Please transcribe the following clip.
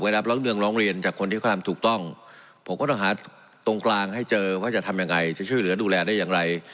บางอย่างก็เปรียบประตัดเริ่มมา